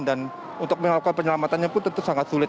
dan untuk melakukan penyelamatannya pun tentu sangat sulit